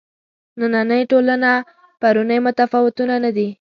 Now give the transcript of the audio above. نننۍ ټولنه پرونۍ متفاوته نه دي.